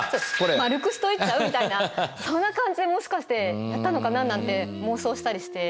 丸くしといちゃう？みたいなそんな感じでもしかしてやったのかななんて妄想したりして。